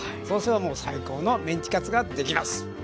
そうすればもう最高のメンチカツができます！